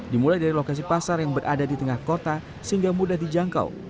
dimulai dari lokasi pasar yang berada di tengah kota sehingga mudah dijangkau